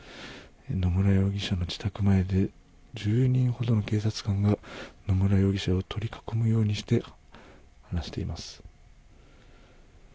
野村容疑者の自宅前で１０人ほどの警察官が野村容疑者を取り囲むようにして話しています。